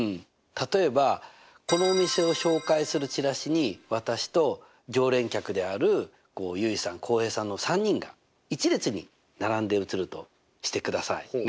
例えばこのお店を紹介するチラシに私と常連客である結衣さん浩平さんの３人が１列に並んで写るとしてください。